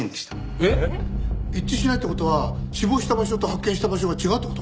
えっ？一致しないって事は死亡した場所と発見した場所が違うって事？